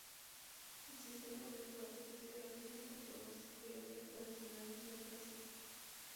El sistema ha mejorado considerablemente el pronóstico y alerta de tsunamis en el Pacífico.